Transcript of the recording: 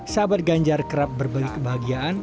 sahabat ganjar kerap berbagi kebahagiaan